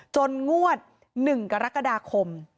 งวด๑กรกฎาคม